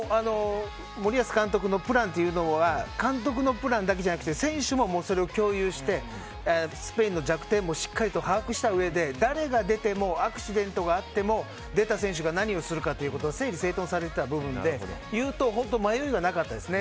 森保監督のプランというのは監督のプランだけじゃなくて選手もそれを共有してスペインの弱点もしっかり把握したうえで誰が出てもアクシデントがあっても出た選手が何をするかというのが整理整頓されていた部分で迷いがなかったですね